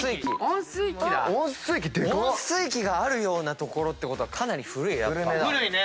温水器があるような所ってことはかなり古いね。